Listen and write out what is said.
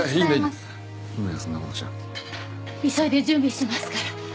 急いで準備しますから。